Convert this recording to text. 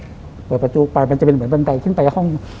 เปลี่ยนประจูกไปมันจะเหมือนบันไดขึ้นไปห้อง